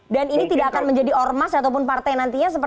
dan ini tidak akan menjadi ormas ataupun partai nantinya